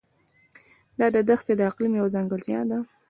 دا دښتې د اقلیم یوه ځانګړتیا ده.